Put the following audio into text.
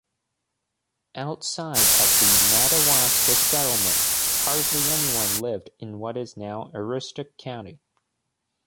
Outside of the Madawaska settlement, hardly anyone lived in what is now Aroostook County.